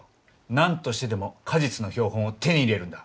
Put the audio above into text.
何としてでも果実の標本を手に入れるんだ。